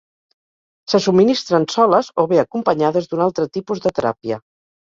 Se subministren soles o bé, acompanyades d'un altre tipus de teràpia.